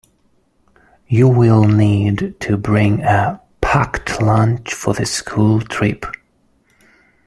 You will need to bring a packed lunch for the school trip.